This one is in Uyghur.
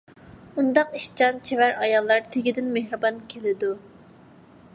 ئۇنداق ئىشچان، چېۋەر ئاياللار تېگىدىن مېھرىبان كېلىدۇ.